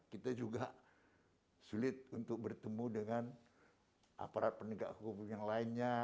kita juga sulit untuk bertemu dengan aparat penegak hukum yang lainnya